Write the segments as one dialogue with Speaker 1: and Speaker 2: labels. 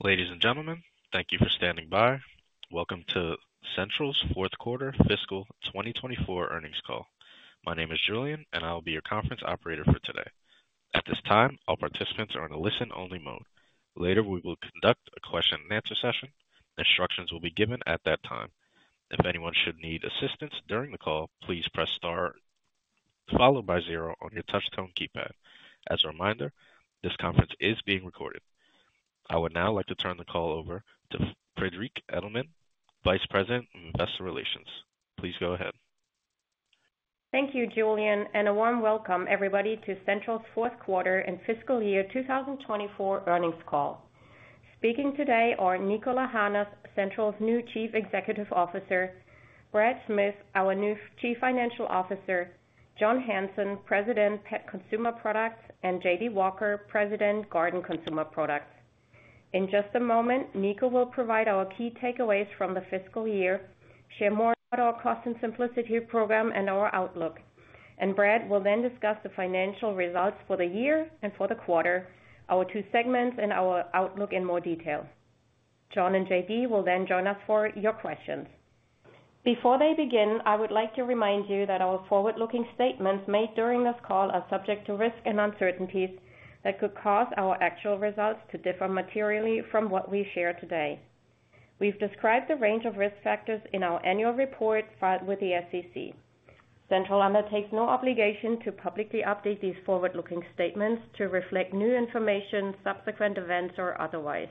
Speaker 1: Ladies and gentlemen, thank you for standing by. Welcome to Central's fourth quarter fiscal 2024 earnings call. My name is Julian, and I'll be your conference operator for today. At this time, all participants are in a listen-only mode. Later, we will conduct a question-and-answer session. Instructions will be given at that time. If anyone should need assistance during the call, please press star followed by zero on your touchtone keypad. As a reminder, this conference is being recorded. I would now like to turn the call over to Friederike Edelmann, Vice President of Investor Relations. Please go ahead..
Speaker 2: Thank you, Julian, and a warm welcome, everybody, to Central's fourth quarter and fiscal year 2024 earnings call. Speaking today are Niko Lahanas, Central's new Chief Executive Officer. Brad Smith, our new Chief Financial Officer. John Hanson, President, Pet Consumer Products. And J.D. Walker, President, Garden Consumer Products. In just a moment, Niko will provide our key takeaways from the fiscal year, share more about our Cost and Simplicity program and our outlook, and Brad will then discuss the financial results for the year and for the quarter, our two segments, and our outlook in more detail. John and J.D. will then join us for your questions. Before they begin, I would like to remind you that our forward-looking statements made during this call are subject to risks and uncertainties that could cause our actual results to differ materially from what we share today. We've described the range of risk factors in our annual report filed with the SEC. Central undertakes no obligation to publicly update these forward-looking statements to reflect new information, subsequent events, or otherwise.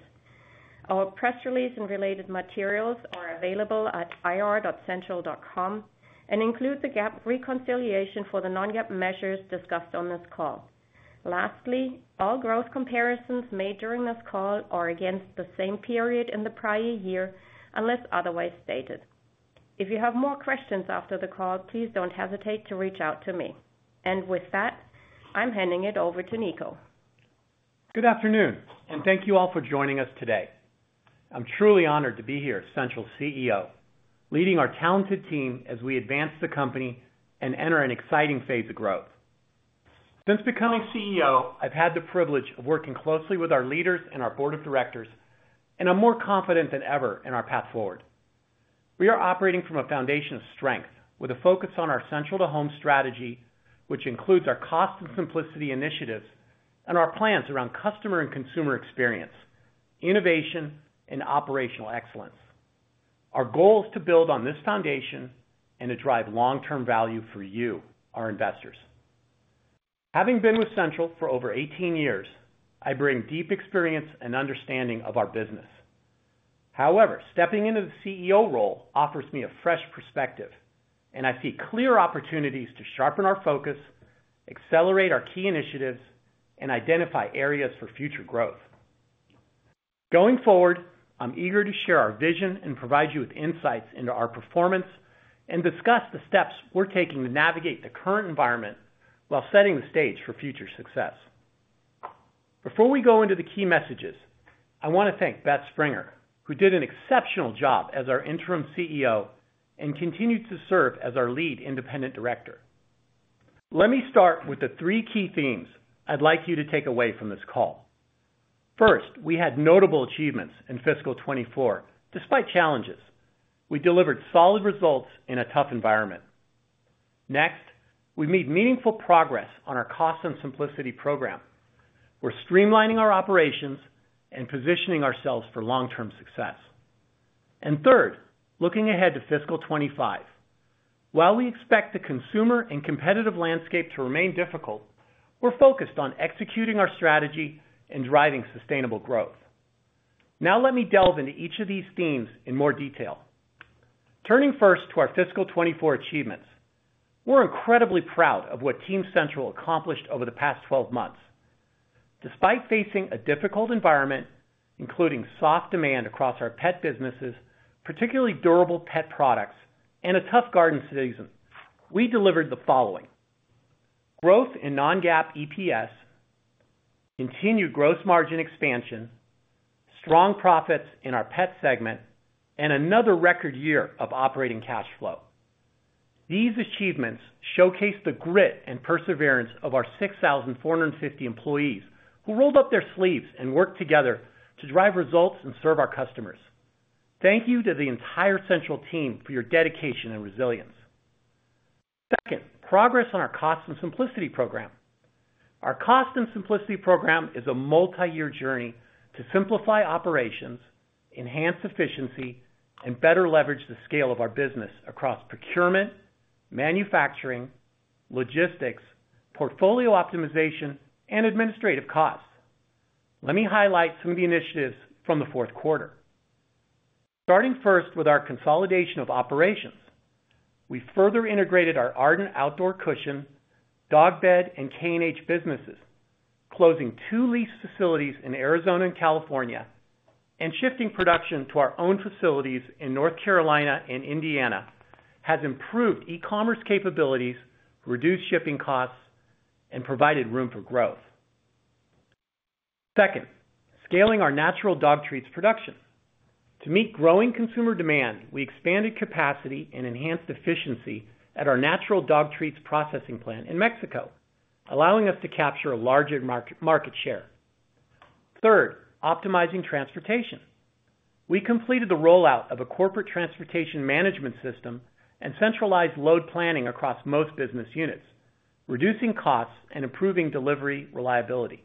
Speaker 2: Our press release and related materials are available at ir.central.com and include the GAAP reconciliation for the non-GAAP measures discussed on this call. Lastly, all growth comparisons made during this call are against the same period in the prior year unless otherwise stated. If you have more questions after the call, please don't hesitate to reach out to me, and with that, I'm handing it over to Niko.
Speaker 3: Good afternoon, and thank you all for joining us today. I'm truly honored to be here as Central's CEO, leading our talented team as we advance the company and enter an exciting phase of growth. Since becoming CEO, I've had the privilege of working closely with our leaders and our board of directors, and I'm more confident than ever in our path forward. We are operating from a foundation of strength with a focus on our Central-to-Home strategy, which includes our Cost and Simplicity initiatives and our plans around customer and consumer experience, innovation, and operational excellence. Our goal is to build on this foundation and to drive long-term value for you, our investors. Having been with Central for over 18 years, I bring deep experience and understanding of our business. However, stepping into the CEO role offers me a fresh perspective, and I see clear opportunities to sharpen our focus, accelerate our key initiatives, and identify areas for future growth. Going forward, I'm eager to share our vision and provide you with insights into our performance and discuss the steps we're taking to navigate the current environment while setting the stage for future success. Before we go into the key messages, I want to thank Beth Springer, who did an exceptional job as our Interim CEO and continued to serve as our Lead Independent Director. Let me start with the three key themes I'd like you to take away from this call. First, we had notable achievements in fiscal 2024 despite challenges. We delivered solid results in a tough environment. Next, we made meaningful progress on our Cost and Simplicity program. We're streamlining our operations and positioning ourselves for long-term success, and third, looking ahead to fiscal 25, while we expect the consumer and competitive landscape to remain difficult, we're focused on executing our strategy and driving sustainable growth. Now, let me delve into each of these themes in more detail. Turning first to our fiscal 24 achievements, we're incredibly proud of what Team Central accomplished over the past 12 months. Despite facing a difficult environment, including soft demand across our pet businesses, particularly durable pet products, and a tough garden season, we delivered the following: growth in non-GAAP EPS, continued gross margin expansion, strong profits in our pet segment, and another record year of operating cash flow. These achievements showcase the grit and perseverance of our 6,450 employees who rolled up their sleeves and worked together to drive results and serve our customers. Thank you to the entire Central team for your dedication and resilience. Second, progress on our Cost and Simplicity program. Our Cost and Simplicity program is a multi-year journey to simplify operations, enhance efficiency, and better leverage the scale of our business across procurement, manufacturing, logistics, portfolio optimization, and administrative costs. Let me highlight some of the initiatives from the fourth quarter. Starting first with our consolidation of operations, we further integrated our Arden outdoor cushion, dog bed, and K&H businesses, closing two leased facilities in Arizona and California, and shifting production to our own facilities in North Carolina and Indiana, has improved e-commerce capabilities, reduced shipping costs, and provided room for growth. Second, scaling our natural dog treats production. To meet growing consumer demand, we expanded capacity and enhanced efficiency at our natural dog treats processing plant in Mexico, allowing us to capture a larger market share. Third, optimizing transportation. We completed the rollout of a corporate transportation management system and centralized load planning across most business units, reducing costs and improving delivery reliability.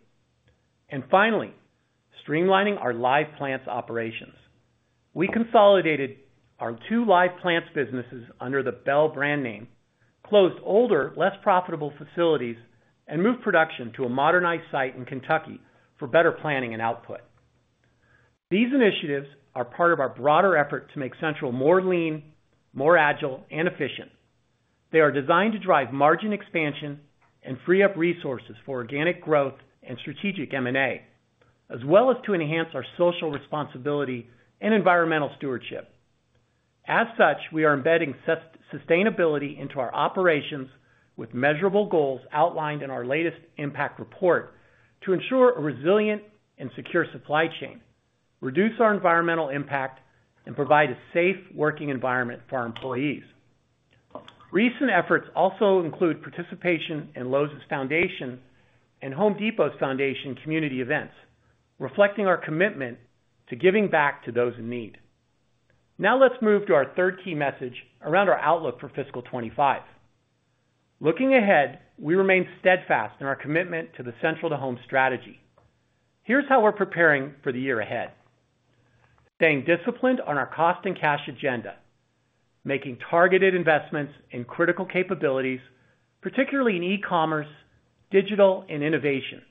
Speaker 3: And finally, streamlining our live plants operations. We consolidated our two live plants businesses under the Bell brand name, closed older, less profitable facilities, and moved production to a modernized site in Kentucky for better planning and output. These initiatives are part of our broader effort to make Central more lean, more agile, and efficient. They are designed to drive margin expansion and free up resources for organic growth and strategic M&A, as well as to enhance our social responsibility and environmental stewardship. As such, we are embedding sustainability into our operations with measurable goals outlined in our latest impact report to ensure a resilient and secure supply chain, reduce our environmental impact, and provide a safe working environment for our employees. Recent efforts also include participation in Lowe's Foundation and Home Depot's Foundation community events, reflecting our commitment to giving back to those in need. Now, let's move to our third key message around our outlook for fiscal 25. Looking ahead, we remain steadfast in our commitment to the Central-to-Home strategy. Here's how we're preparing for the year ahead: staying disciplined on our cost and cash agenda, making targeted investments in critical capabilities, particularly in e-commerce, digital, and innovation,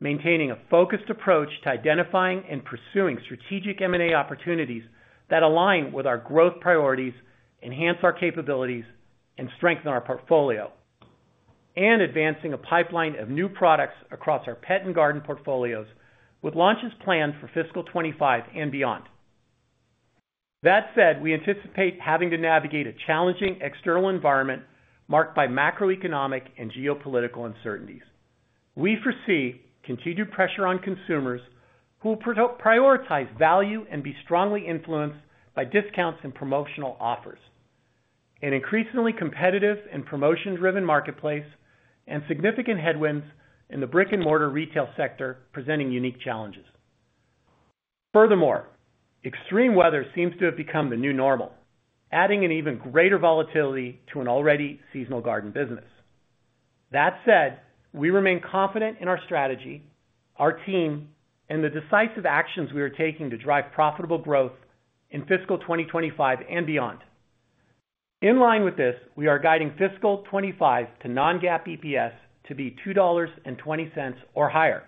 Speaker 3: maintaining a focused approach to identifying and pursuing strategic M&A opportunities that align with our growth priorities, enhance our capabilities, and strengthen our portfolio, and advancing a pipeline of new products across our pet and garden portfolios with launches planned for fiscal 25 and beyond. That said, we anticipate having to navigate a challenging external environment marked by macroeconomic and geopolitical uncertainties. We foresee continued pressure on consumers who prioritize value and be strongly influenced by discounts and promotional offers, an increasingly competitive and promotion-driven marketplace, and significant headwinds in the brick-and-mortar retail sector presenting unique challenges. Furthermore, extreme weather seems to have become the new normal, adding an even greater volatility to an already seasonal garden business. That said, we remain confident in our strategy, our team, and the decisive actions we are taking to drive profitable growth in fiscal 2025 and beyond. In line with this, we are guiding fiscal 2025 to non-GAAP EPS to be $2.20 or higher.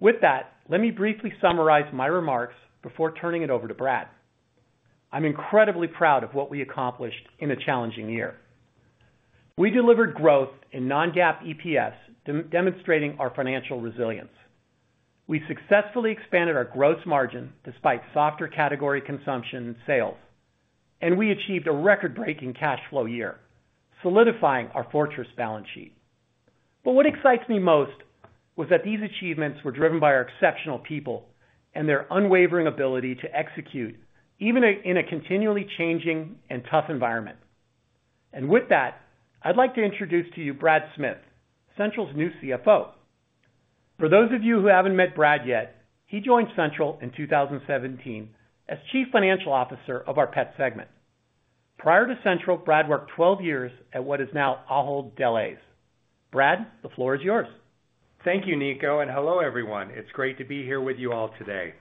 Speaker 3: With that, let me briefly summarize my remarks before turning it over to Brad. I'm incredibly proud of what we accomplished in a challenging year. We delivered growth in non-GAAP EPS, demonstrating our financial resilience. We successfully expanded our gross margin despite softer category consumption sales, and we achieved a record-breaking cash flow year, solidifying our fortress balance sheet. But what excites me most was that these achievements were driven by our exceptional people and their unwavering ability to execute even in a continually changing and tough environment. And with that, I'd like to introduce to you Brad Smith, Central's new CFO. For those of you who haven't met Brad yet, he joined Central in 2017 as Chief Financial Officer of our pet segment. Prior to Central, Brad worked 12 years at what is now Mondelēz International. Brad, the floor is yours.
Speaker 4: Thank you, Niko, and hello, everyone. It's great to be here with you all today.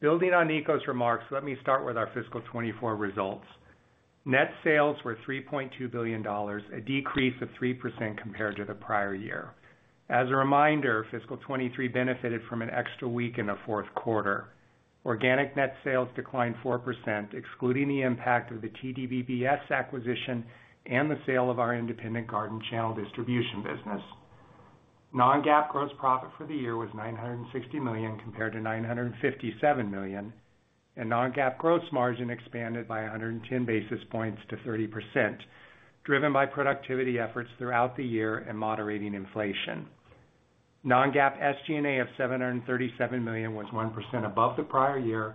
Speaker 4: Building on Niko's remarks, let me start with our fiscal 24 results. Net sales were $3.2 billion, a decrease of 3% compared to the prior year. As a reminder, fiscal 23 benefited from an extra week in the fourth quarter. Organic net sales declined 4%, excluding the impact of the TDBBS acquisition and the sale of our independent garden channel distribution business. Non-GAAP gross profit for the year was $960 million compared to $957 million, and Non-GAAP gross margin expanded by 110 basis points to 30%, driven by productivity efforts throughout the year and moderating inflation. Non-GAAP SG&A of $737 million was 1% above the prior year,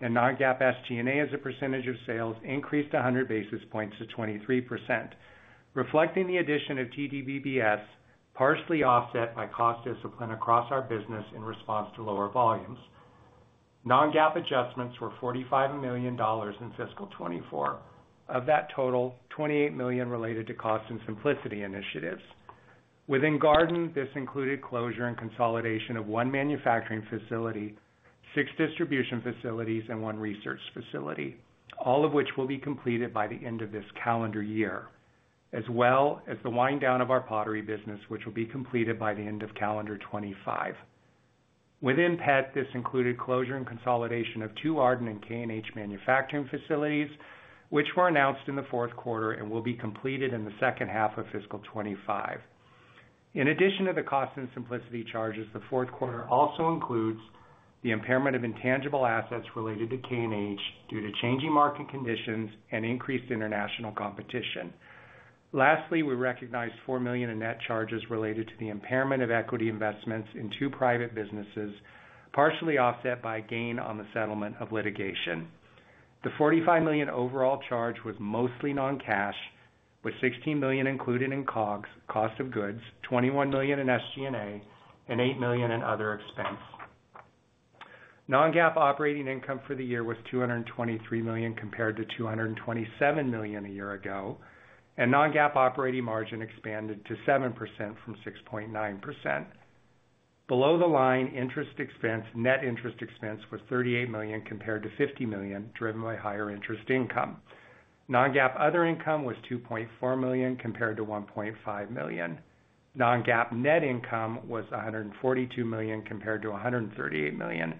Speaker 4: and Non-GAAP SG&A as a percentage of sales increased 100 basis points to 23%, reflecting the addition of TDBBS, partially offset by cost discipline across our business in response to lower volumes. Non-GAAP adjustments were $45 million in fiscal 2024. Of that total, $28 million related to Cost and Simplicity initiatives. Within garden, this included closure and consolidation of one manufacturing facility, six distribution facilities, and one research facility, all of which will be completed by the end of this calendar year, as well as the wind down of our pottery business, which will be completed by the end of calendar 2025. Within pet, this included closure and consolidation of two Arden and K&H manufacturing facilities, which were announced in the fourth quarter and will be completed in the second half of fiscal 2025. In addition to the cost and simplicity charges, the fourth quarter also includes the impairment of intangible assets related to K&H due to changing market conditions and increased international competition. Lastly, we recognized $4 million in net charges related to the impairment of equity investments in two private businesses, partially offset by gain on the settlement of litigation. The $45 million overall charge was mostly non-cash, with $16 million included in cost of goods, $21 million in SG&A, and $8 million in other expense. Non-GAAP operating income for the year was $223 million compared to $227 million a year ago, and Non-GAAP operating margin expanded to 7% from 6.9%. Below the line, interest expense, net interest expense was $38 million compared to $50 million, driven by higher interest income. Non-GAAP other income was $2.4 million compared to $1.5 million. Non-GAAP net income was $142 million compared to $138 million,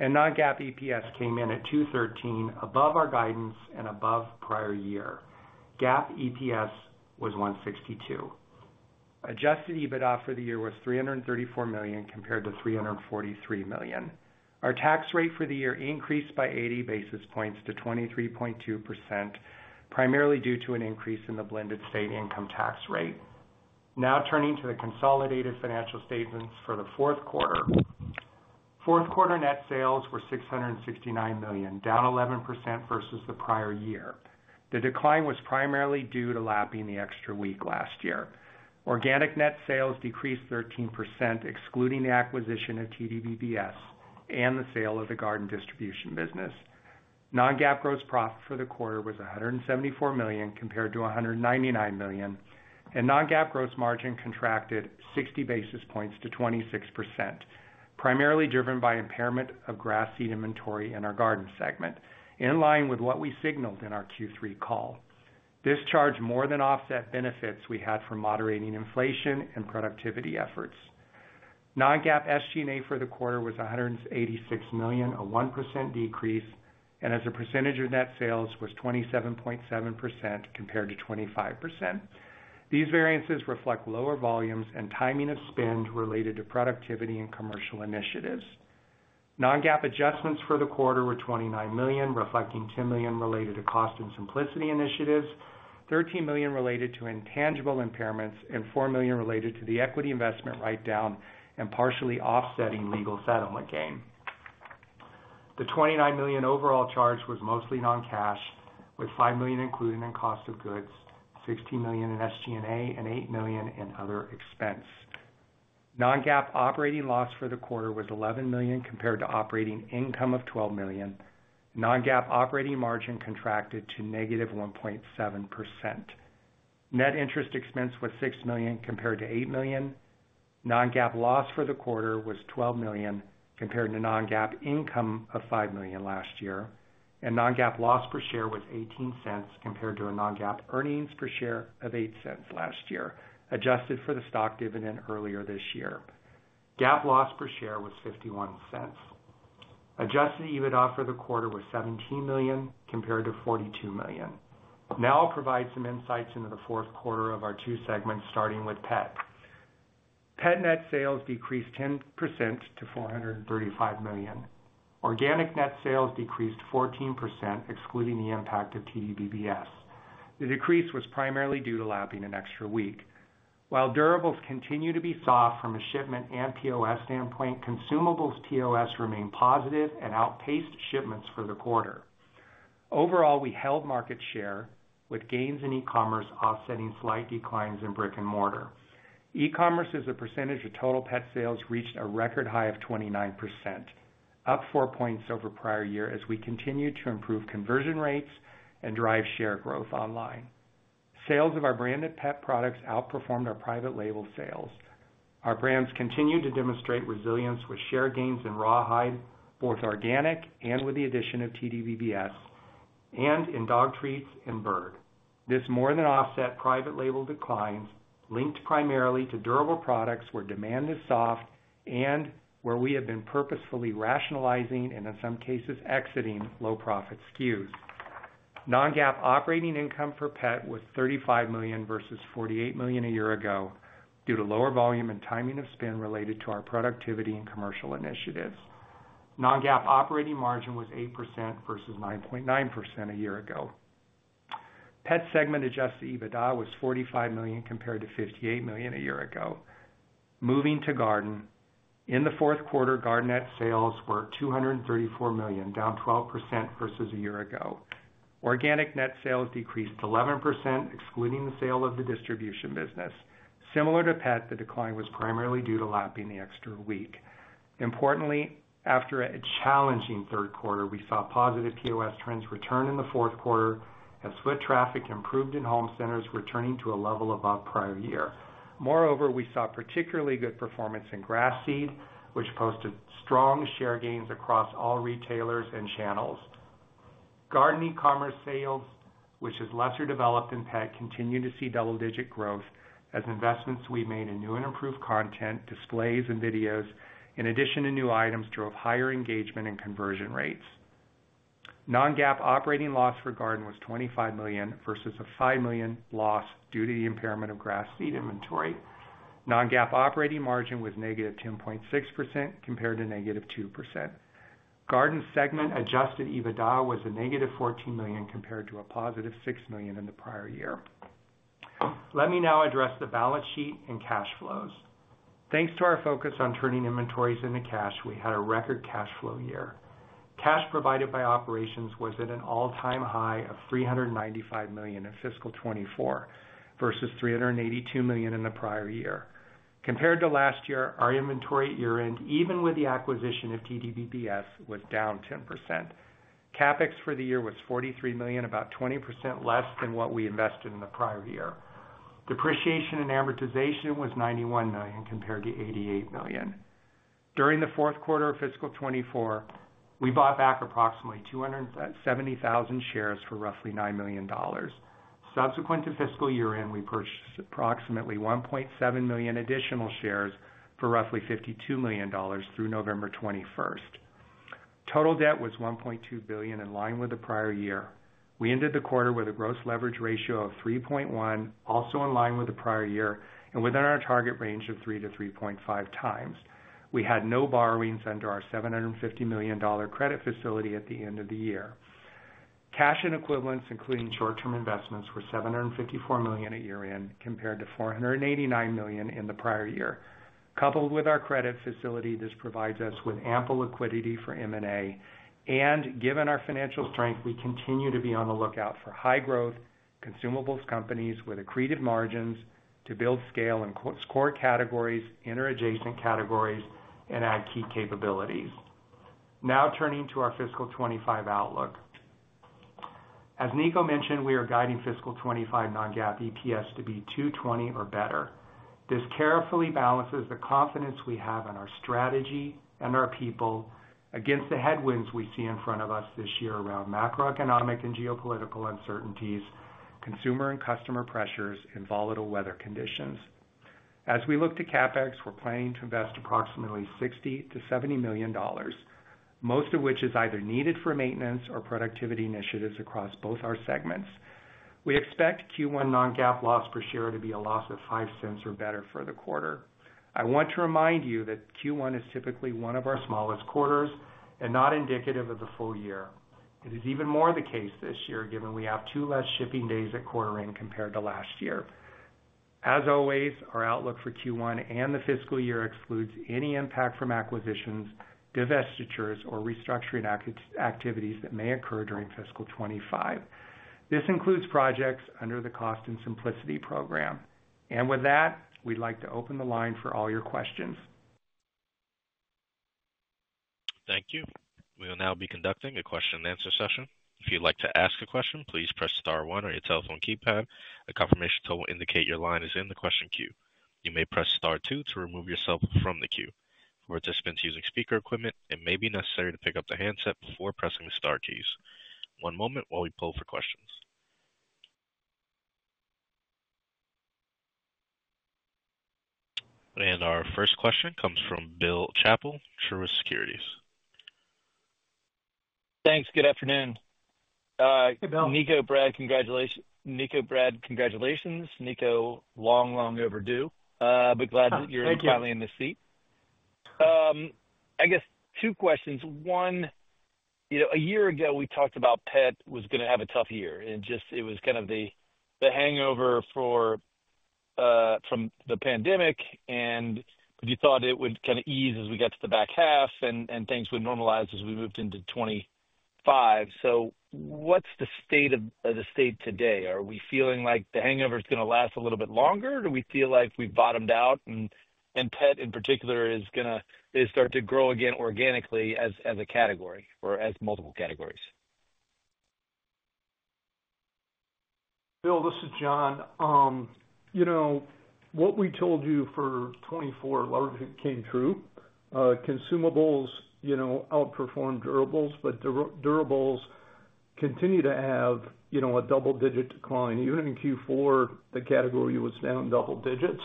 Speaker 4: and Non-GAAP EPS came in at $213, above our guidance and above prior year. GAAP EPS was $162. Adjusted EBITDA for the year was $334 million compared to $343 million. Our tax rate for the year increased by 80 basis points to 23.2%, primarily due to an increase in the blended state income tax rate. Now turning to the consolidated financial statements for the fourth quarter. Fourth quarter net sales were $669 million, down 11% versus the prior year. The decline was primarily due to lapping the extra week last year. Organic net sales decreased 13%, excluding the acquisition of TDBBS and the sale of the garden distribution business. Non-GAAP gross profit for the quarter was $174 million compared to $199 million, and Non-GAAP gross margin contracted 60 basis points to 26%, primarily driven by impairment of grass seed inventory in our garden segment, in line with what we signaled in our Q3 call. This charge more than offset benefits we had from moderating inflation and productivity efforts. Non-GAAP SG&A for the quarter was $186 million, a 1% decrease, and as a percentage of net sales was 27.7% compared to 25%. These variances reflect lower volumes and timing of spend related to productivity and commercial initiatives. Non-GAAP adjustments for the quarter were $29 million, reflecting $10 million related to cost and simplicity initiatives, $13 million related to intangible impairments, and $4 million related to the equity investment write-down and partially offsetting legal settlement gain. The $29 million overall charge was mostly non-cash, with $5 million included in cost of goods, $16 million in SG&A, and $8 million in other expense. Non-GAAP operating loss for the quarter was $11 million compared to operating income of $12 million. Non-GAAP operating margin contracted to negative 1.7%. Net interest expense was $6 million compared to $8 million. Non-GAAP loss for the quarter was $12 million compared to Non-GAAP income of $5 million last year, and Non-GAAP loss per share was $0.18 compared to a Non-GAAP earnings per share of $0.08 last year, adjusted for the stock dividend earlier this year. GAAP loss per share was $0.51. Adjusted EBITDA for the quarter was $17 million compared to $42 million. Now I'll provide some insights into the fourth quarter of our two segments, starting with pet. Pet net sales decreased 10% to $435 million. Organic net sales decreased 14%, excluding the impact of TDBBS. The decrease was primarily due to lapping an extra week. While durables continue to be soft from a shipment and POS standpoint, consumables POS remained positive and outpaced shipments for the quarter. Overall, we held market share, with gains in e-commerce offsetting slight declines in brick-and-mortar. E-commerce as a percentage of total pet sales reached a record high of 29%, up 4 points over prior year as we continue to improve conversion rates and drive share growth online. Sales of our branded pet products outperformed our private label sales. Our brands continue to demonstrate resilience with share gains in rawhide, both organic and with the addition of TDBBS, and in dog treats and bird. This more than offset private label declines, linked primarily to durable products where demand is soft and where we have been purposefully rationalizing and, in some cases, exiting low-profit SKUs. Non-GAAP operating income for pet was $35 million versus $48 million a year ago due to lower volume and timing of spend related to our productivity and commercial initiatives. Non-GAAP operating margin was 8% versus 9.9% a year ago. Pet segment Adjusted EBITDA was $45 million compared to $58 million a year ago. Moving to garden, in the fourth quarter, garden net sales were $234 million, down 12% versus a year ago. Organic net sales decreased 11%, excluding the sale of the distribution business. Similar to pet, the decline was primarily due to lapping the extra week. Importantly, after a challenging third quarter, we saw positive POS trends return in the fourth quarter as foot traffic improved in home centers returning to a level above prior year. Moreover, we saw particularly good performance in grass seed, which posted strong share gains across all retailers and channels. Garden e-commerce sales, which is lesser developed than pet, continued to see double-digit growth as investments we made in new and improved content, displays, and videos, in addition to new items, drove higher engagement and conversion rates. Non-GAAP operating loss for garden was $25 million versus a $5 million loss due to the impairment of grass seed inventory. Non-GAAP operating margin was negative 10.6% compared to negative 2%. Garden segment Adjusted EBITDA was a negative $14 million compared to a positive $6 million in the prior year. Let me now address the balance sheet and cash flows. Thanks to our focus on turning inventories into cash, we had a record cash flow year. Cash provided by operations was at an all-time high of $395 million in fiscal 2024 versus $382 million in the prior year. Compared to last year, our inventory year-end, even with the acquisition of TDBBS, was down 10%. CapEx for the year was $43 million, about 20% less than what we invested in the prior year. Depreciation and amortization was $91 million compared to $88 million. During the fourth quarter of fiscal 2024, we bought back approximately 270,000 shares for roughly $9 million. Subsequent to fiscal year-end, we purchased approximately 1.7 million additional shares for roughly $52 million through November 21st. Total debt was $1.2 billion, in line with the prior year. We ended the quarter with a gross leverage ratio of 3.1, also in line with the prior year, and within our target range of 3-3.5 times. We had no borrowings under our $750 million credit facility at the end of the year. Cash and equivalents, including short-term investments, were $754 million at year-end compared to $489 million in the prior year. Coupled with our credit facility, this provides us with ample liquidity for M&A, and given our financial strength, we continue to be on the lookout for high-growth consumables companies with accretive margins to build scale in core categories, in adjacent categories, and add key capabilities. Now turning to our fiscal 2025 outlook. As Niko mentioned, we are guiding fiscal 2025 non-GAAP EPS to be $2.20 or better. This carefully balances the confidence we have in our strategy and our people against the headwinds we see in front of us this year around macroeconomic and geopolitical uncertainties, consumer and customer pressures, and volatile weather conditions. As we look to CapEx, we're planning to invest approximately $60-$70 million, most of which is either needed for maintenance or productivity initiatives across both our segments. We expect Q1 non-GAAP loss per share to be a loss of $0.05 or better for the quarter. I want to remind you that Q1 is typically one of our smallest quarters and not indicative of the full year. It is even more the case this year, given we have two less shipping days at quarter-end compared to last year. As always, our outlook for Q1 and the fiscal year excludes any impact from acquisitions, divestitures, or restructuring activities that may occur during fiscal 25. This includes projects under the Cost and Simplicity program. With that, we'd like to open the line for all your questions.
Speaker 1: Thank you. We will now be conducting a question-and-answer session. If you'd like to ask a question, please press Star 1 on your telephone keypad. A confirmation tone will indicate your line is in the question queue. You may press Star 2 to remove yourself from the queue. For participants using speaker equipment, it may be necessary to pick up the handset before pressing the Star keys. One moment while we poll for questions. Our first question comes from Bill Chappell, Truist Securities.
Speaker 5: Thanks. Good afternoon. Hey, Bill. Niko, Brad, congratulations. Niko, long, long overdue. But, glad that you're finally in the seat. Thank you. I guess two questions. One, a year ago, we talked about pet was going to have a tough year, and it was kind of the hangover from the pandemic, and we thought it would kind of ease as we got to the back half, and things would normalize as we moved into 2025. So what's the state of the state today? Are we feeling like the hangover is going to last a little bit longer, or do we feel like we've bottomed out, and pet in particular is going to start to grow again organically as a category or as multiple categories?
Speaker 6: Bill, this is John. What we told you for 2024, a lot of it came true. Consumables outperformed durables, but durables continue to have a double-digit decline. Even in Q4, the category was down double digits.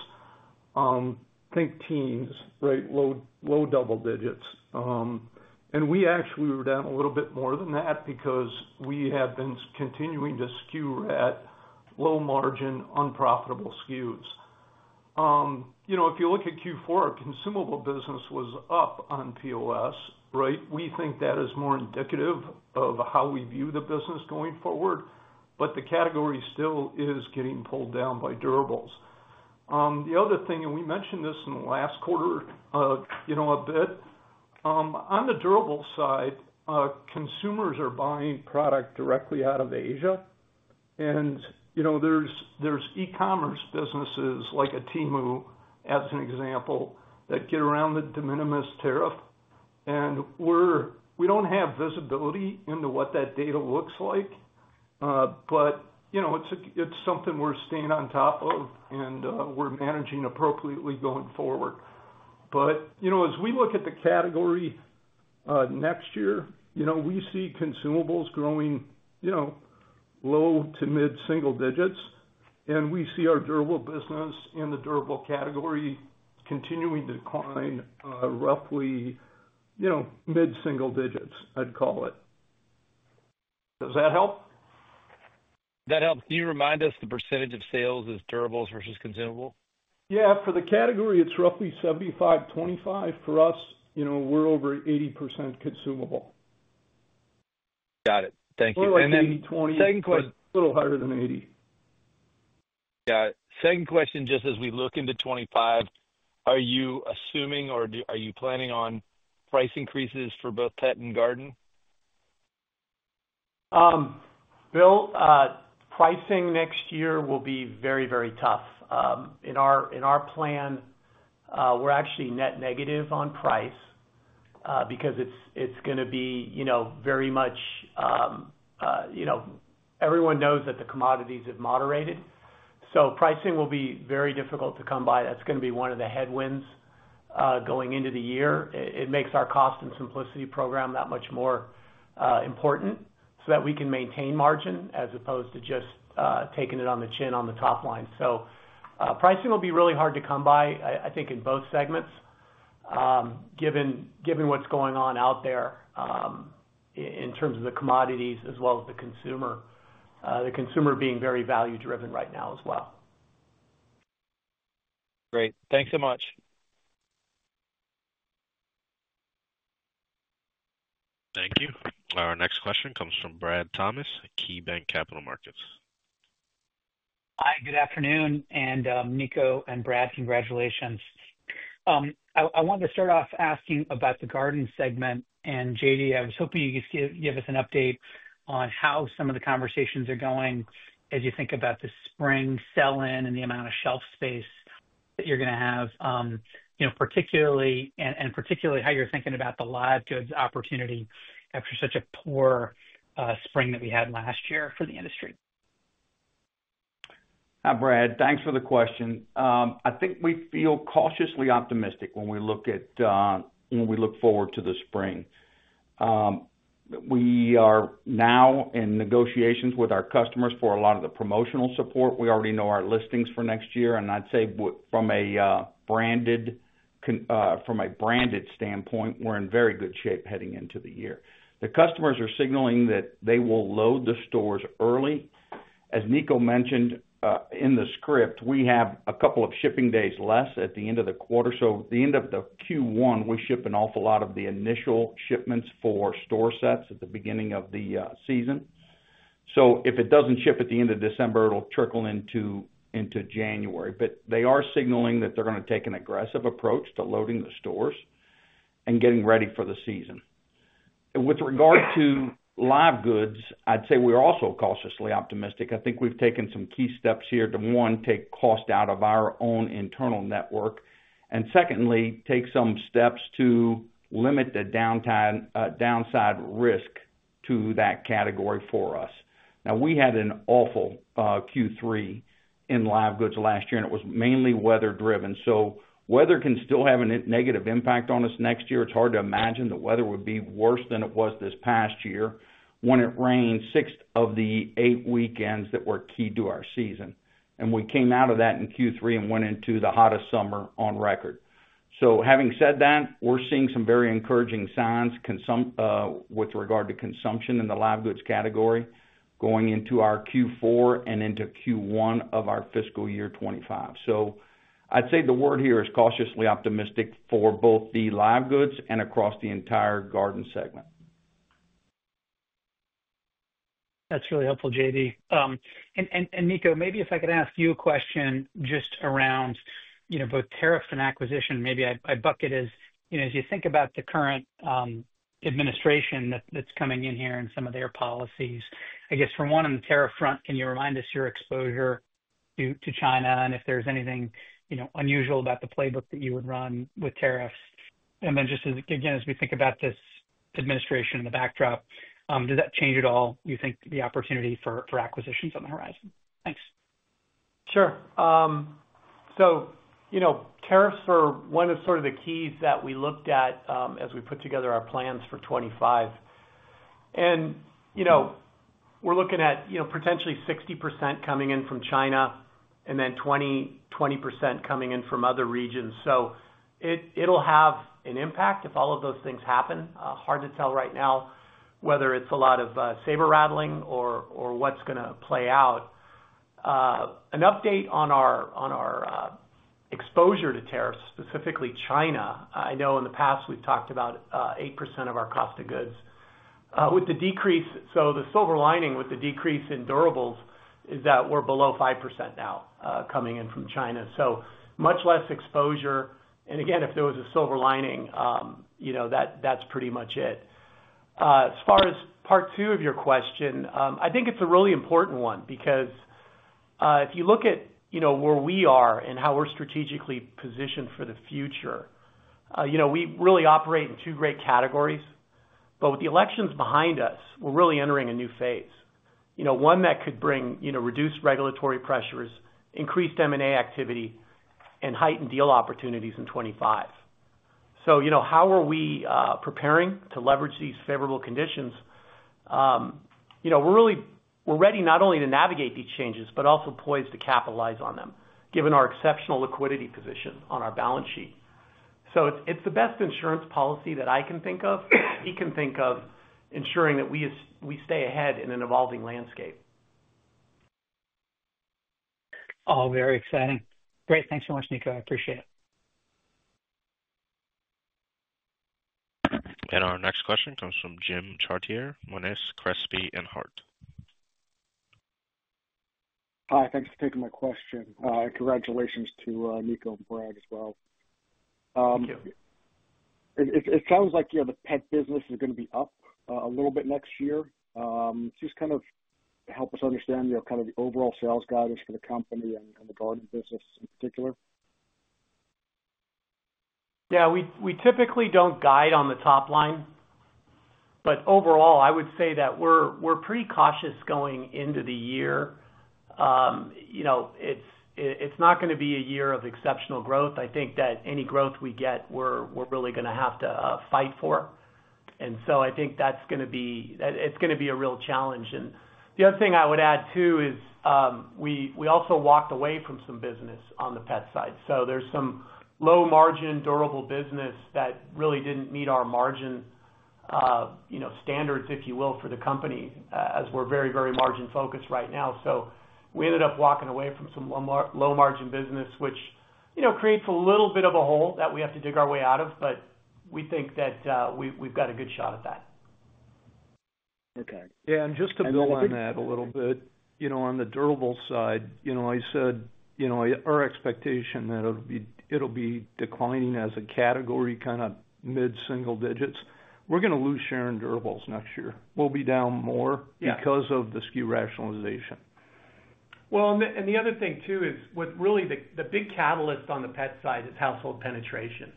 Speaker 6: Think teens, right? Low double digits. And we actually were down a little bit more than that because we have been continuing to skew at low-margin, unprofitable SKUs. If you look at Q4, our consumable business was up on POS, right? We think that is more indicative of how we view the business going forward, but the category still is getting pulled down by durables. The other thing, and we mentioned this in the last quarter a bit, on the durable side, consumers are buying product directly out of Asia. And there's e-commerce businesses like a Temu, as an example, that get around the de minimis tariff. And we don't have visibility into what that data looks like, but it's something we're staying on top of, and we're managing appropriately going forward. But as we look at the category next year, we see consumables growing low- to mid-single-digit %, and we see our durable business in the durable category continuing to decline roughly mid-single-digit %, I'd call it.
Speaker 5: Does that help? That helps. Can you remind us the percentage of sales is durables versus consumables?
Speaker 6: Yeah. For the category, it's roughly 75%-25%. For us, we're over 80% consumable.
Speaker 5: Got it. Thank you.
Speaker 6: And then second question, a little higher than 80.
Speaker 5: Got it. Second question, just as we look into 2025, are you assuming or are you planning on price increases for both pet and garden?
Speaker 3: Bill, pricing next year will be very, very tough. In our plan, we're actually net negative on price because it's going to be very much everyone knows that the commodities have moderated. So pricing will be very difficult to come by. That's going to be one of the headwinds going into the year. It makes our Cost and Simplicity program that much more important so that we can maintain margin as opposed to just taking it on the chin on the top line. So pricing will be really hard to come by, I think, in both segments, given what's going on out there in terms of the commodities as well as the consumer, the consumer being very value-driven right now as well.
Speaker 5: Great. Thanks so much.
Speaker 1: Thank you. Our next question comes from Brad Thomas, KeyBank Capital Markets.
Speaker 7: Hi. Good afternoon. Niko and Brad, congratulations. I wanted to start off asking about the garden segment. J.D., I was hoping you could give us an update on how some of the conversations are going as you think about the spring sell-in and the amount of shelf space that you're going to have, and particularly how you're thinking about the live goods opportunity after such a poor spring that we had last year for the industry.
Speaker 8: Hi, Brad. Thanks for the question. I think we feel cautiously optimistic when we look forward to the spring. We are now in negotiations with our customers for a lot of the promotional support. We already know our listings for next year. And I'd say from a branded standpoint, we're in very good shape heading into the year. The customers are signaling that they will load the stores early. As Niko mentioned in the script, we have a couple of shipping days less at the end of the quarter. So at the end of Q1, we ship an awful lot of the initial shipments for store sets at the beginning of the season. So if it doesn't ship at the end of December, it'll trickle into January. But they are signaling that they're going to take an aggressive approach to loading the stores and getting ready for the season. With regard to live goods, I'd say we're also cautiously optimistic. I think we've taken some key steps here to, one, take cost out of our own internal network, and secondly, take some steps to limit the downside risk to that category for us. Now, we had an awful Q3 in live goods last year, and it was mainly weather-driven. So weather can still have a negative impact on us next year. It's hard to imagine the weather would be worse than it was this past year when it rained six of the eight weekends that were key to our season. And we came out of that in Q3 and went into the hottest summer on record. So having said that, we're seeing some very encouraging signs with regard to consumption in the live goods category going into our Q4 and into Q1 of our fiscal year 2025. So I'd say the word here is cautiously optimistic for both the live goods and across the entire garden segment.
Speaker 7: That's really helpful, J.D. And Niko, maybe if I could ask you a question just around both tariffs and acquisition, maybe I'd bucket it as you think about the current administration that's coming in here and some of their policies. I guess from one on the tariff front, can you remind us your exposure to China and if there's anything unusual about the playbook that you would run with tariffs? And then just again, as we think about this administration in the backdrop, does that change at all, you think, the opportunity for acquisitions on the horizon? Thanks.
Speaker 3: Sure. So tariffs are one of sort of the keys that we looked at as we put together our plans for 2025. And we're looking at potentially 60% coming in from China and then 20% coming in from other regions. So it'll have an impact if all of those things happen. Hard to tell right now whether it's a lot of saber rattling or what's going to play out. An update on our exposure to tariffs, specifically China. I know in the past we've talked about 8% of our cost of goods. With the decrease, so the silver lining with the decrease in durables is that we're below 5% now coming in from China. So much less exposure. And again, if there was a silver lining, that's pretty much it. As far as part two of your question, I think it's a really important one because if you look at where we are and how we're strategically positioned for the future, we really operate in two great categories. But with the elections behind us, we're really entering a new phase, one that could bring reduced regulatory pressures, increased M&A activity, and heightened deal opportunities in 2025. So how are we preparing to leverage these favorable conditions? We're ready not only to navigate these changes, but also poised to capitalize on them, given our exceptional liquidity position on our balance sheet. So it's the best insurance policy that I can think of. He can think of ensuring that we stay ahead in an evolving landscape.
Speaker 8: All very exciting. Great. Thanks so much, Niko. I appreciate it.
Speaker 1: And our next question comes from Jim Chartier, Monness, Crespi, Hardt.
Speaker 9: Hi. Thanks for taking my question. And congratulations to Niko and Brad as well. Thank you. It sounds like the pet business is going to be up a little bit next year. Just kind of help us understand kind of the overall sales guidance for the company and the garden business in particular.
Speaker 3: Yeah. We typically don't guide on the top line. But overall, I would say that we're pretty cautious going into the year. It's not going to be a year of exceptional growth. I think that any growth we get, we're really going to have to fight for. I think that's going to be a real challenge. The other thing I would add too is we also walked away from some business on the pet side. So there's some low-margin durable business that really didn't meet our margin standards, if you will, for the company, as we're very, very margin-focused right now. So we ended up walking away from some low-margin business, which creates a little bit of a hole that we have to dig our way out of. But we think that we've got a good shot at that.
Speaker 9: Okay. Yeah. Just to build on that a little bit, on the durable side, I said our expectation that it'll be declining as a category, kind of mid-single digits. We're going to lose share in durables next year. We'll be down more because of the SKU rationalization.
Speaker 3: Well, and the other thing too is really the big catalyst on the pet side is household penetration,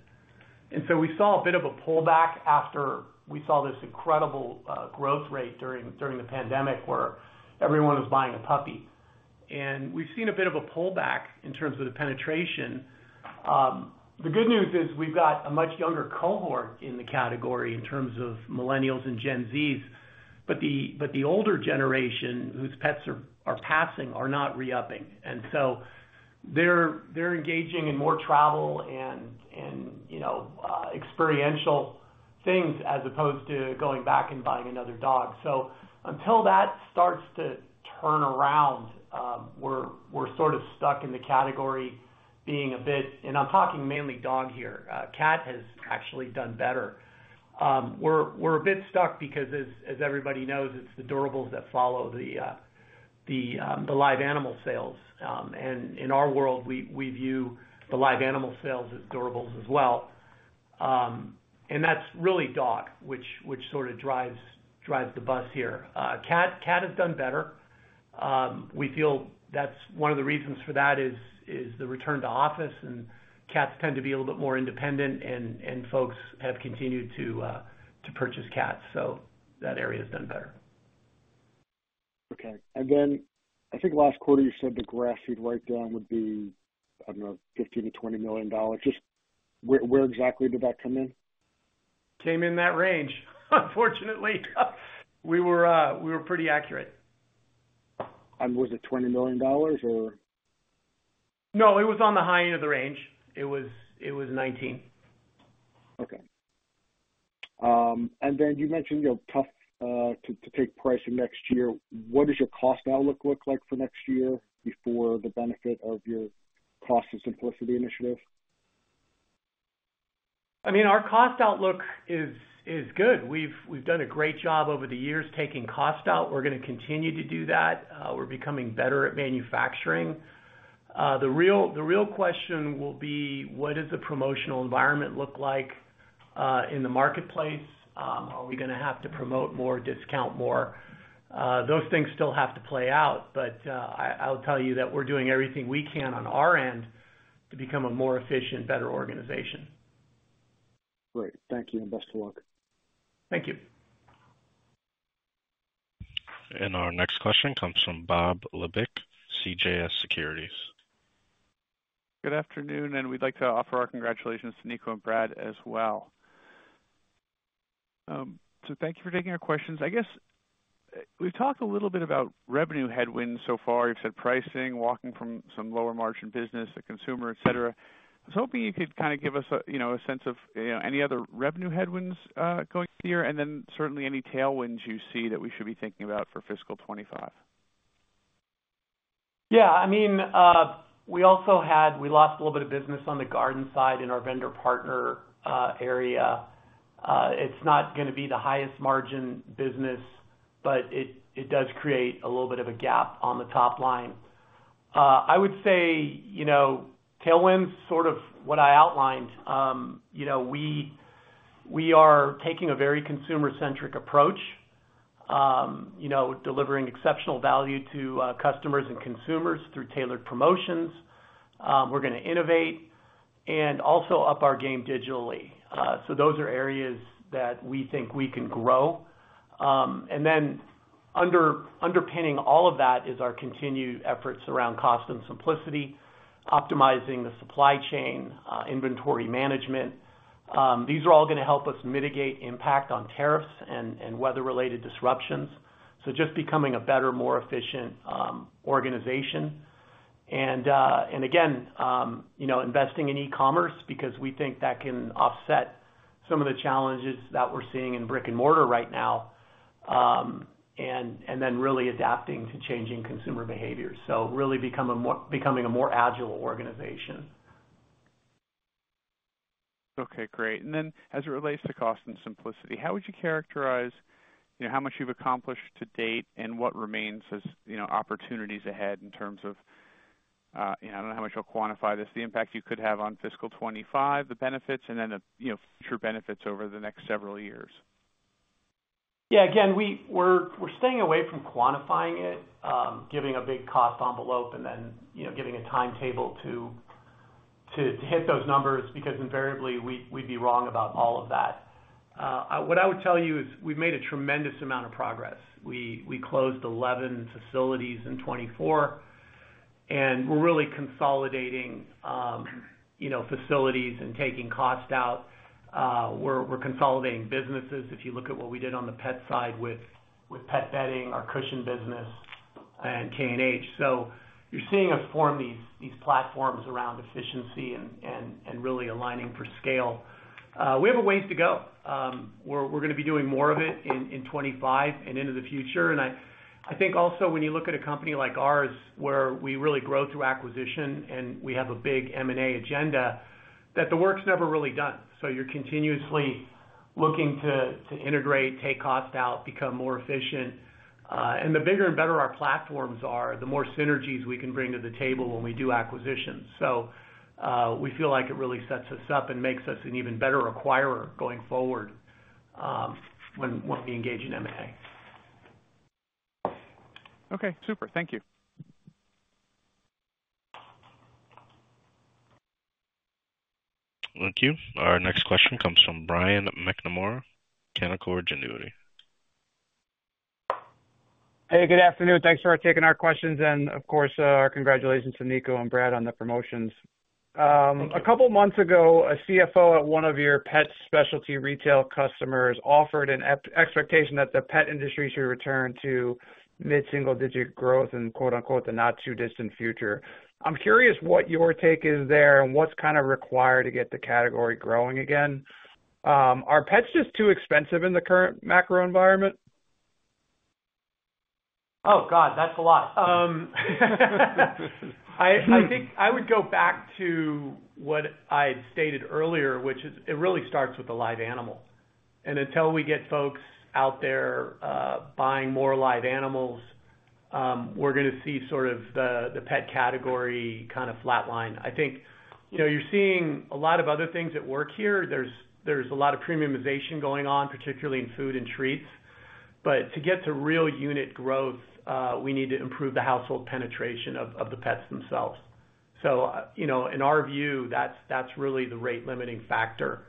Speaker 3: and so we saw a bit of a pullback after we saw this incredible growth rate during the pandemic where everyone was buying a puppy, and we've seen a bit of a pullback in terms of the penetration. The good news is we've got a much younger cohort in the category in terms of millennials and Gen Zs, but the older generation whose pets are passing are not re-upping, and so they're engaging in more travel and experiential things as opposed to going back and buying another dog, so until that starts to turn around, we're sort of stuck in the category being a bit, and I'm talking mainly dog here. Cat has actually done better. We're a bit stuck because, as everybody knows, it's the durables that follow the live animal sales. And in our world, we view the live animal sales as durables as well. And that's really dog, which sort of drives the bus here. Cat has done better. We feel that's one of the reasons for that is the return to office, and cats tend to be a little bit more independent, and folks have continued to purchase cats. So that area has done better.
Speaker 9: Okay. And then I think last quarter, you said the grass seed write-down would be, I don't know, $15 million to $20 million. Just where exactly did that come in? Came in that range, unfortunately. We were pretty accurate. And was it $20 million or?
Speaker 3: No, it was on the high end of the range. It was $19 million.
Speaker 9: Okay. And then you mentioned tough to take pricing next year. What does your cost outlook look like for next year before the benefit of your Cost and Simplicity initiative?
Speaker 3: I mean, our cost outlook is good. We've done a great job over the years taking cost out. We're going to continue to do that. We're becoming better at manufacturing. The real question will be, what does the promotional environment look like in the marketplace? Are we going to have to promote more, discount more? Those things still have to play out. But I'll tell you that we're doing everything we can on our end to become a more efficient, better organization.
Speaker 9: Great. Thank you and best of luck. Thank you.
Speaker 1: And our next question comes from Bob Labick, CJS Securities.
Speaker 10: Good afternoon. And we'd like to offer our congratulations to Niko and Brad as well. So thank you for taking our questions. I guess we've talked a little bit about revenue headwinds so far. You've said pricing, walking from some lower margin business, a consumer, etc. I was hoping you could kind of give us a sense of any other revenue headwinds going this year and then certainly any tailwinds you see that we should be thinking about for fiscal 2025.
Speaker 3: Yeah. I mean, we also had we lost a little bit of business on the garden side in our vendor partner area. It's not going to be the highest margin business, but it does create a little bit of a gap on the top line. I would say tailwinds, sort of what I outlined. We are taking a very consumer-centric approach, delivering exceptional value to customers and consumers through tailored promotions. We're going to innovate and also up our game digitally. So those are areas that we think we can grow. And then underpinning all of that is our continued efforts around cost and simplicity, optimizing the supply chain, inventory management. These are all going to help us mitigate impact on tariffs and weather-related disruptions. So just becoming a better, more efficient organization. And again, investing in e-commerce because we think that can offset some of the challenges that we're seeing in brick and mortar right now and then really adapting to changing consumer behavior. So really becoming a more agile organization.
Speaker 10: Okay. Great. And then as it relates to cost and simplicity, how would you characterize how much you've accomplished to date and what remains as opportunities ahead in terms of I don't know how much you'll quantify this, the impact you could have on fiscal 2025, the benefits, and then the future benefits over the next several years?
Speaker 3: Yeah. Again, we're staying away from quantifying it, giving a big cost envelope, and then giving a timetable to hit those numbers because invariably, we'd be wrong about all of that. What I would tell you is we've made a tremendous amount of progress. We closed 11 facilities in 2024, and we're really consolidating facilities and taking cost out. We're consolidating businesses. If you look at what we did on the pet side with pet bedding, our cushion business, and K&H. So you're seeing us form these platforms around efficiency and really aligning for scale. We have a ways to go. We're going to be doing more of it in 2025 and into the future, and I think also when you look at a company like ours, where we really grow through acquisition and we have a big M&A agenda, that the work's never really done. So you're continuously looking to integrate, take cost out, become more efficient. And the bigger and better our platforms are, the more synergies we can bring to the table when we do acquisitions. So we feel like it really sets us up and makes us an even better acquirer going forward when we engage in M&A.
Speaker 10: Okay. Super. Thank you.
Speaker 1: Thank you. Our next question comes from Brian McNamara, Canaccord Genuity.
Speaker 11: Hey, good afternoon. Thanks for taking our questions. And of course, our congratulations to Niko and Brad on the promotions. A couple of months ago, a CFO at one of your pet specialty retail customers offered an expectation that the pet industry should return to mid-single digit growth in "a not too distant future." I'm curious what your take is there and what's kind of required to get the category growing again. Are pets just too expensive in the current macro environment?
Speaker 3: Oh, God, that's a lot. I think I would go back to what I stated earlier, which is it really starts with the live animal. And until we get folks out there buying more live animals, we're going to see sort of the pet category kind of flatline. I think you're seeing a lot of other things at work here. There's a lot of premiumization going on, particularly in food and treats. But to get to real unit growth, we need to improve the household penetration of the pets themselves. So in our view, that's really the rate-limiting factor.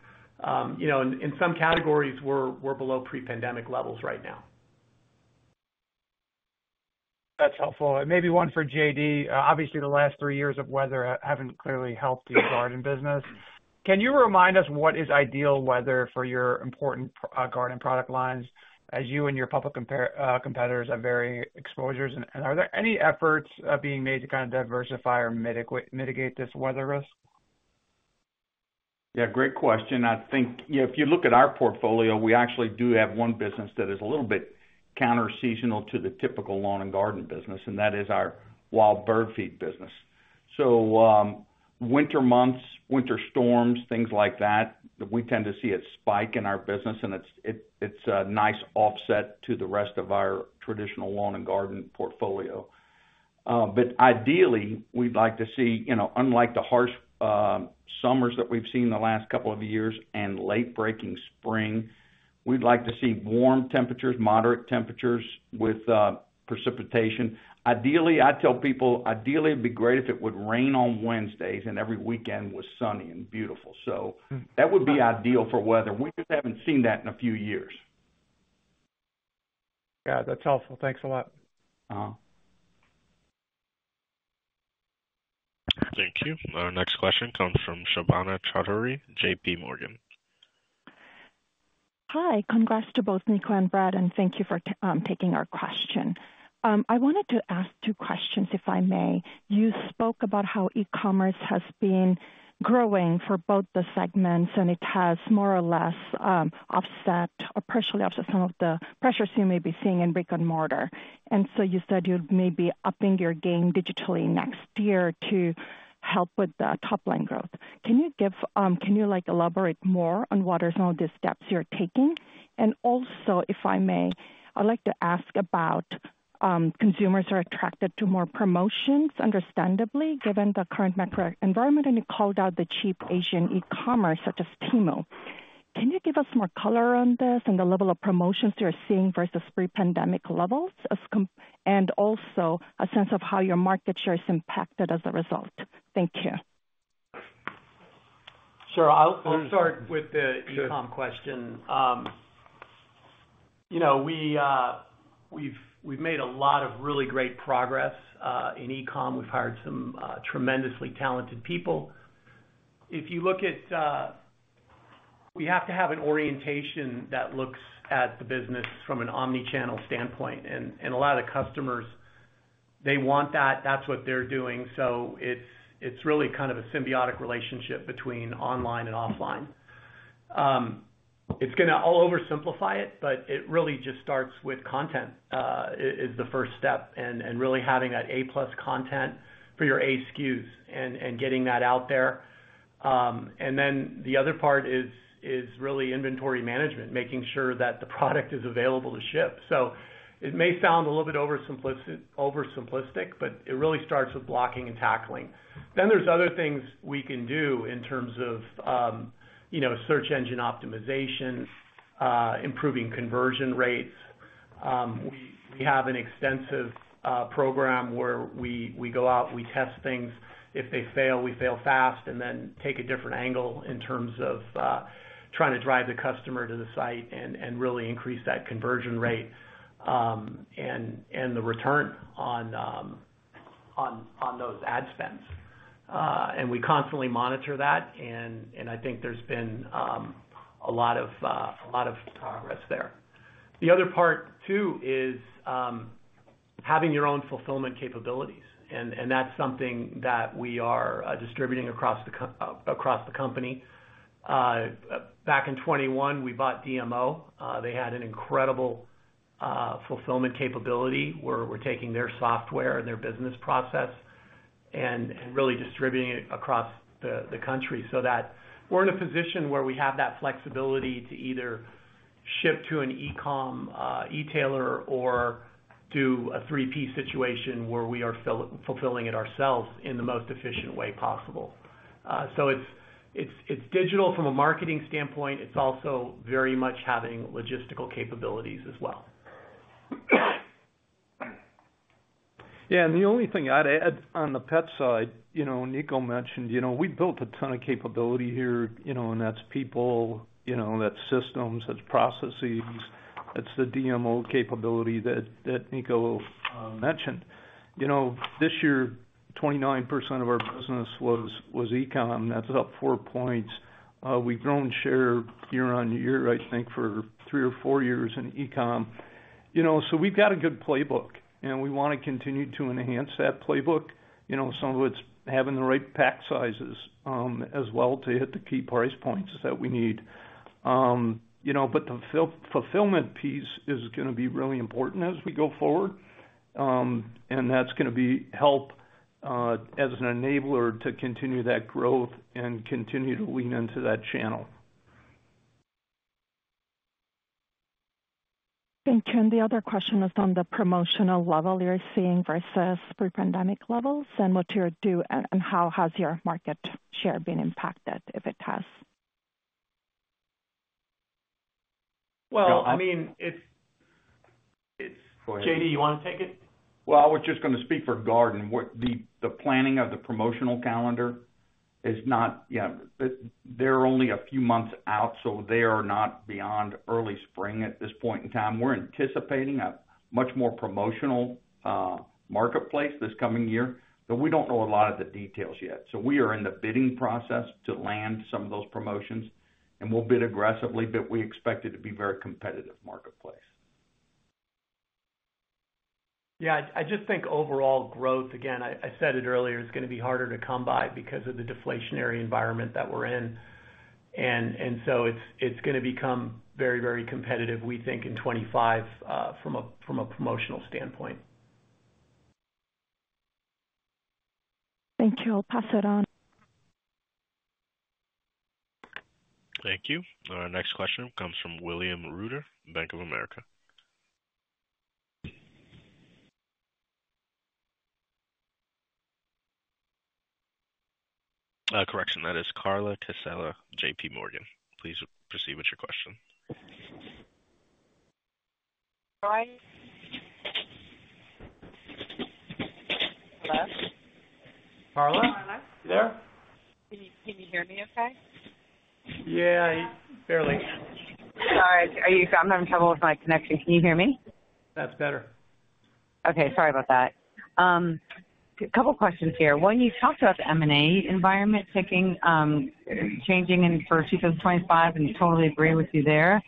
Speaker 3: In some categories, we're below pre-pandemic levels right now.
Speaker 11: That's helpful. And maybe one for J.D. Obviously, the last three years of weather haven't clearly helped your garden business. Can you remind us what is ideal weather for your important garden product lines as you and your public competitors have varying exposures? And are there any efforts being made to kind of diversify or mitigate this weather risk?
Speaker 8: Yeah. Great question. I think if you look at our portfolio, we actually do have one business that is a little bit counter-seasonal to the typical lawn and garden business, and that is our wild bird feed business. So winter months, winter storms, things like that, we tend to see a spike in our business, and it's a nice offset to the rest of our traditional lawn and garden portfolio. But ideally, we'd like to see, unlike the harsh summers that we've seen the last couple of years and late-breaking spring, we'd like to see warm temperatures, moderate temperatures with precipitation. Ideally, I tell people, ideally, it'd be great if it would rain on Wednesdays and every weekend was sunny and beautiful. So that would be ideal for weather. We just haven't seen that in a few years.
Speaker 11: God, that's helpful. Thanks a lot.
Speaker 1: Thank you. Our next question comes from Shobana Ravishankar, JPMorgan.
Speaker 12: Hi. Congrats to both Niko and Brad, and thank you for taking our question. I wanted to ask two questions, if I may. You spoke about how e-commerce has been growing for both the segments, and it has more or less offset or partially offset some of the pressures you may be seeing in brick and mortar. And so you said you'd maybe upping your game digitally next year to help with the top-line growth. Can you elaborate more on what are some of the steps you're taking? And also, if I may, I'd like to ask about consumers are attracted to more promotions, understandably, given the current macro environment, and you called out the cheap Asian e-commerce such as Temu. Can you give us more color on this and the level of promotions you're seeing versus pre-pandemic levels and also a sense of how your market share is impacted as a result? Thank you.
Speaker 4: Sure. I'll start with the e-com question. We've made a lot of really great progress in e-com. We've hired some tremendously talented people. If you look at we have to have an orientation that looks at the business from an omnichannel standpoint. And a lot of the customers, they want that. That's what they're doing. So it's really kind of a symbiotic relationship between online and offline. It's going to all but oversimplify it, but it really just starts with content. It's the first step and really having that A-plus content for your A SKUs and getting that out there. And then the other part is really inventory management, making sure that the product is available to ship. So it may sound a little bit oversimplistic, but it really starts with blocking and tackling. Then there's other things we can do in terms of search engine optimization, improving conversion rates. We have an extensive program where we go out, we test things. If they fail, we fail fast and then take a different angle in terms of trying to drive the customer to the site and really increase that conversion rate and the return on those ad spends. And we constantly monitor that, and I think there's been a lot of progress there. The other part too is having your own fulfillment capabilities, and that's something that we are distributing across the company. Back in 2021, we bought DMO. They had an incredible fulfillment capability where we're taking their software and their business process and really distributing it across the country so that we're in a position where we have that flexibility to either ship to an e-com retailer or do a 3P situation where we are fulfilling it ourselves in the most efficient way possible. So it's digital from a marketing standpoint. It's also very much having logistical capabilities as well.
Speaker 6: Yeah, and the only thing I'd add on the pet side, Niko mentioned, we built a ton of capability here, and that's people, that's systems, that's processes. It's the DMO capability that Niko mentioned. This year, 29% of our business was e-com. That's up four points. We've grown share year-on-year, I think, for three or four years in e-com. So we've got a good playbook, and we want to continue to enhance that playbook. Some of it's having the right pack sizes as well to hit the key price points that we need. But the fulfillment piece is going to be really important as we go forward, and that's going to help as an enabler to continue that growth and continue to lean into that channel.
Speaker 4: And the other question is on the promotional level you're seeing versus pre-pandemic levels and what you do and how has your market share been impacted, if it has?
Speaker 12: Well, I mean, it's go ahead. JD, you want to take it?
Speaker 8: Well, I was just going to speak for garden. The planning of the promotional calendar is not yeah. They're only a few months out, so they are not beyond early spring at this point in time. We're anticipating a much more promotional marketplace this coming year, but we don't know a lot of the details yet. So we are in the bidding process to land some of those promotions, and we'll bid aggressively, but we expect it to be a very competitive marketplace.
Speaker 3: Yeah. I just think overall growth, again, I said it earlier, is going to be harder to come by because of the deflationary environment that we're in. And so it's going to become very, very competitive, we think, in '25 from a promotional standpoint.
Speaker 12: Thank you. I'll pass it on.
Speaker 1: Thank you. Our next question comes from William Reuter, Bank of America. Correction. That is Carla Casella, J.P. Morgan. Please proceed with your question.
Speaker 3: Brian? Hello? Carla? Carla? You there? Can you hear me okay?
Speaker 13: Yeah. Barely. Sorry. I'm having trouble with my connection. Can you hear me?
Speaker 1: That's better.
Speaker 14: Okay. Sorry about that. A couple of questions here. When you talked about the M&A environment changing for 2025, and totally agree with you there,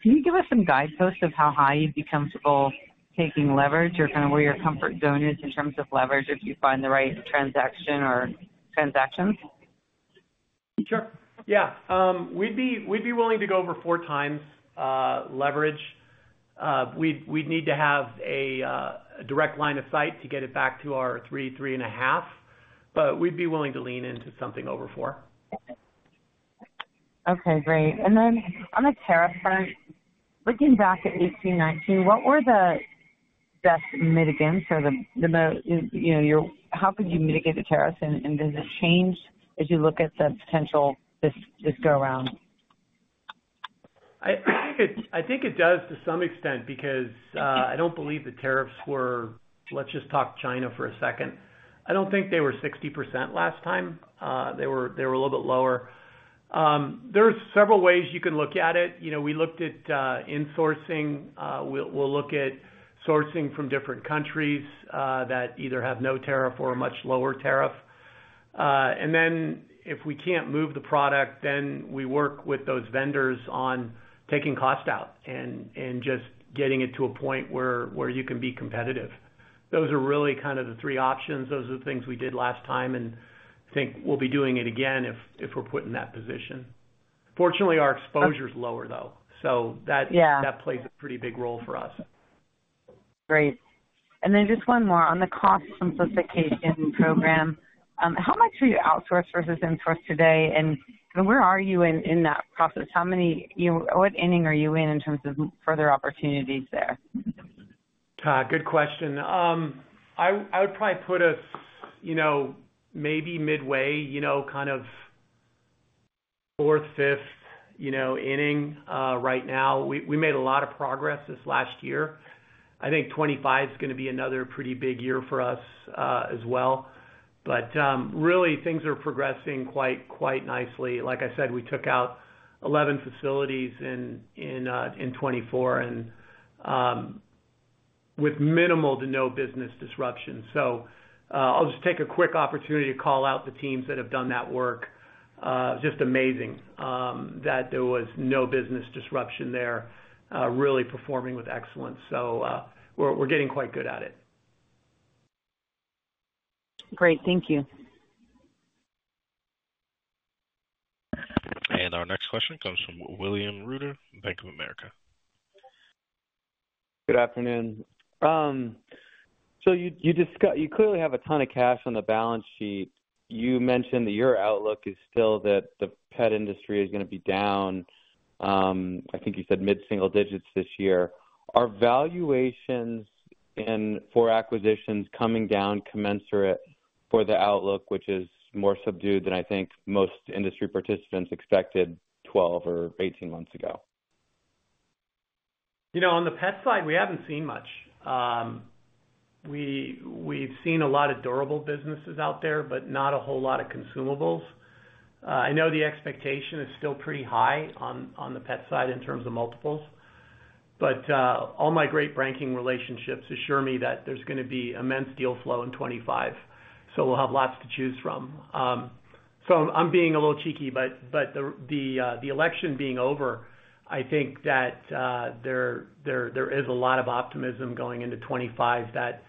Speaker 14: can you give us some guideposts of how high you'd be comfortable taking leverage or kind of where your comfort zone is in terms of leverage if you find the right transaction or transactions? Sure.
Speaker 3: Yeah. We'd be willing to go over four times leverage. We'd need to have a direct line of sight to get it back to our three, three and a half, but we'd be willing to lean into something over four.
Speaker 14: Okay. Great. And then on the tariff front, looking back at 2018, 2019, what were the best mitigants or how could you mitigate the tariffs, and does it change as you look at the potential this go-around?
Speaker 3: I think it does to some extent because I don't believe the tariffs were. Let's just talk China for a second. I don't think they were 60% last time. They were a little bit lower. There are several ways you can look at it. We looked at insourcing. We'll look at sourcing from different countries that either have no tariff or a much lower tariff. And then if we can't move the product, then we work with those vendors on taking cost out and just getting it to a point where you can be competitive. Those are really kind of the three options. Those are the things we did last time and think we'll be doing it again if we're put in that position. Fortunately, our exposure is lower, though. So that plays a pretty big role for us. Great. And then just one more on the Cost and Simplicity program. How much are you outsourced versus insourced today? And where are you in that process? What inning are you in in terms of further opportunities there? Good question. I would probably put us maybe midway, kind of fourth, fifth inning right now. We made a lot of progress this last year. I think 2025 is going to be another pretty big year for us as well. But really, things are progressing quite nicely. Like I said, we took out 11 facilities in 2024 with minimal to no business disruption. So I'll just take a quick opportunity to call out the teams that have done that work. Just amazing that there was no business disruption there, really performing with excellence. So we're getting quite good at it.
Speaker 14: Great. Thank you.
Speaker 1: And our next question comes from William Reuter, Bank of America.
Speaker 15: Good afternoon. So you clearly have a ton of cash on the balance sheet. You mentioned that your outlook is still that the pet industry is going to be down. I think you said mid-single digits this year. Are valuations for acquisitions coming down commensurate for the outlook, which is more subdued than I think most industry participants expected 12 or 18 months ago?
Speaker 3: On the pet side, we haven't seen much. We've seen a lot of durable businesses out there, but not a whole lot of consumables. I know the expectation is still pretty high on the pet side in terms of multiples. But all my great banking relationships assure me that there's going to be immense deal flow in 2025, so we'll have lots to choose from. So I'm being a little cheeky, but the election being over, I think that there is a lot of optimism going into 2025 that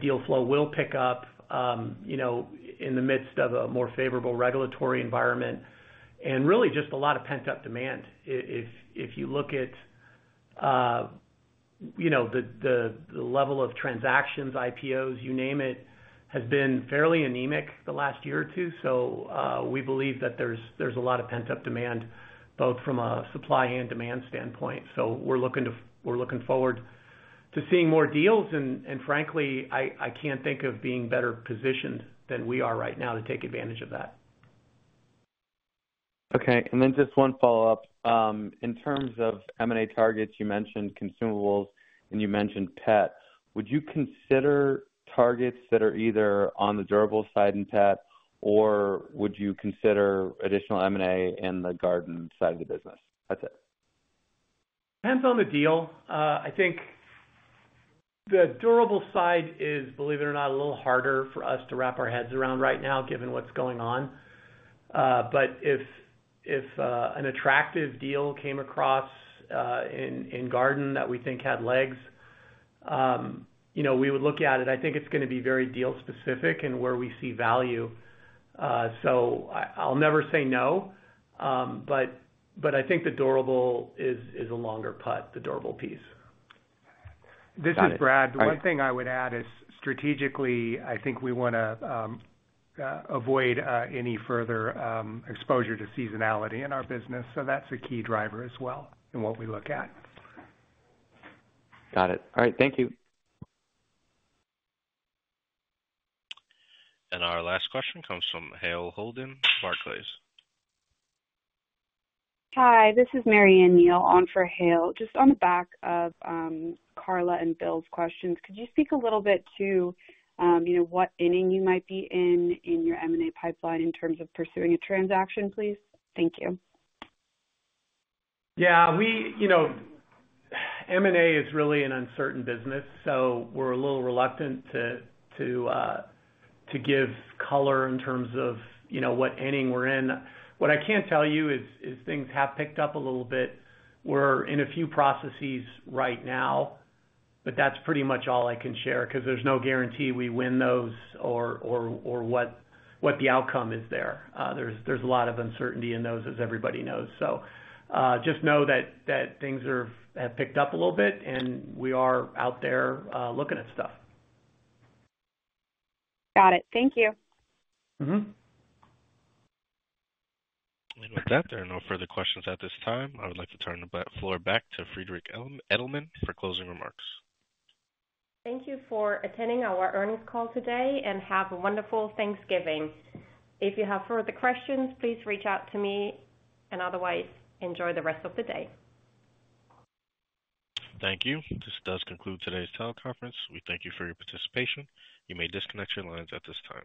Speaker 3: deal flow will pick up in the midst of a more favorable regulatory environment and really just a lot of pent-up demand. If you look at the level of transactions, IPOs, you name it, has been fairly anemic the last year or two. So we believe that there's a lot of pent-up demand both from a supply and demand standpoint. So we're looking forward to seeing more deals. And frankly, I can't think of being better positioned than we are right now to take advantage of that.
Speaker 15: Okay. And then just one follow-up. In terms of M&A targets, you mentioned consumables, and you mentioned pet. Would you consider targets that are either on the durable side in pet, or would you consider additional M&A in the garden side of the business? That's it.
Speaker 3: Depends on the deal. I think the durable side is, believe it or not, a little harder for us to wrap our heads around right now given what's going on. But if an attractive deal came across in garden that we think had legs, we would look at it. I think it's going to be very deal-specific and where we see value. So I'll never say no, but I think the durable is a longer putt, the durable piece.
Speaker 4: This is Brad. One thing I would add is strategically, I think we want to avoid any further exposure to seasonality in our business. So that's a key driver as well in what we look at.
Speaker 15: Got it. All right. Thank you.
Speaker 1: And our last question comes from Hale Holden, Barclays.
Speaker 16: Hi. This is Marianne Gage on for Hale. Just on the back of Carla and Bill's questions, could you speak a little bit to what inning you might be in in your M&A pipeline in terms of pursuing a transaction, please? Thank you.
Speaker 4: Yeah. M&A is really an uncertain business, so we're a little reluctant to give color in terms of what inning we're in. What I can tell you is things have picked up a little bit. We're in a few processes right now, but that's pretty much all I can share because there's no guarantee we win those or what the outcome is there. There's a lot of uncertainty in those, as everybody knows. So just know that things have picked up a little bit, and we are out there looking at stuff.
Speaker 16: Got it. Thank you.
Speaker 1: And with that, there are no further questions at this time. I would like to turn the floor back to Friederike Edelmann for closing remarks.
Speaker 2: Thank you for attending our earnings call today and have a wonderful Thanksgiving. If you have further questions, please reach out to me, and otherwise, enjoy the rest of the day.
Speaker 1: Thank you. This does conclude today's teleconference. We thank you for your participation. You may disconnect your lines at this time.